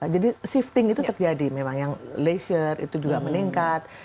jadi shifting itu terjadi memang yang leisure itu juga meningkat